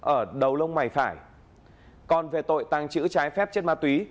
ở đầu lông mày phải còn về tội tàng trữ trái phép chất ma túy